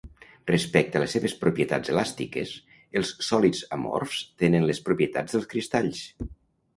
Respecte a les seves propietats elàstiques, els sòlids amorfs tenen les propietats dels cristalls.